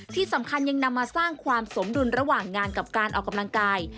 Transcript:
ที่สำคัญยังนำมาสร้างความสมดุลระหว่างงานกับการออกกำลังกาย